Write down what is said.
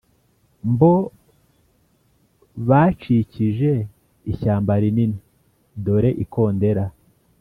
mbo bacikije. ishyamba rinini; dore ikondera